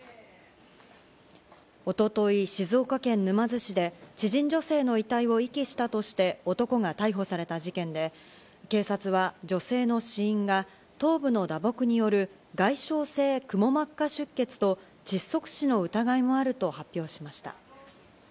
一昨日、静岡県沼津市で知人女性の遺体を遺棄したとして男が逮捕された事件で、警察は女性の死因が頭部の打撲による外傷性くも膜下出血と窒息死の疑いもあると発表しました。